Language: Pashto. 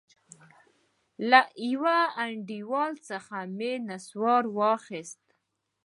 له يوه انډيوال څخه مې نسوار واخيست.